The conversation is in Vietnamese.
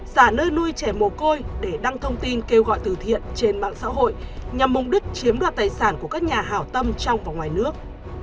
giả nơi nuôi trẻ mồ côi để đăng thông tin kêu gọi từ thiện trên mạng xã hội nhằm mục đích chiếm đoạt tài sản của các nhà hảo tâm trong và ngoài nước